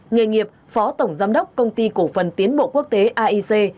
nghề nghiệp phó tổng giám đốc công ty cổ phần tiến bộ quốc tế aic